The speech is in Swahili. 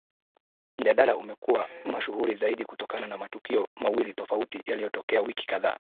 Mjadala umekuwa mashuhuri zaidi kutokana na matukio mawili tofauti yaliyotokea wiki kadhaa